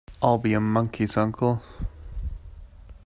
I'll be a monkey's uncle!